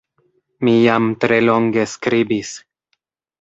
Mi jam tre longe skribis.